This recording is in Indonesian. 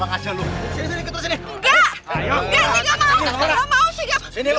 engga engga sih gak mau